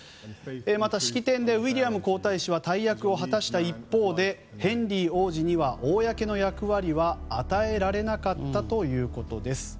また、式典でウィリアム皇太子は大役を果たした一方でヘンリー王子には公の役割は与えられなかったということです。